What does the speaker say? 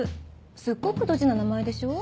すっごくドジな名前でしょう？